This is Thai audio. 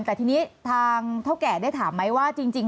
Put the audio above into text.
แต่ทีนี้ทางเท่าแก่ได้ถามไหมว่าจริง